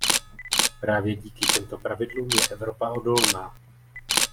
Právě díky těmto pravidlům je Evropa odolná.